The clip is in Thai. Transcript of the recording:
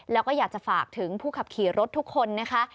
แล้วก็อยากจะฝากถึงผู้ขับขี่รถทุกคนนะคะ